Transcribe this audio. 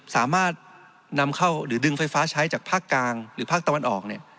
สามารถนำเข้าหรือดึงไฟฟ้าใช้จากภาคกลางหรือภาคตะวันออกเนี่ย